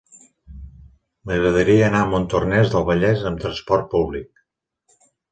M'agradaria anar a Montornès del Vallès amb trasport públic.